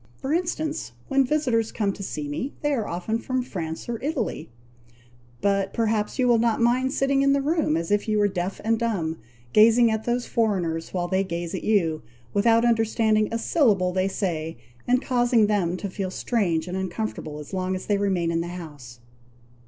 For instance, when visitors come to see me, they are often from France or Italy; but perhaps you will not mind sitting in the room as if you were deaf and dumb, gazing at those foreigners, while they gaze at you, without understanding a syllable they say, and causing them to feel strange and uncomfortable as long as they remain in the house."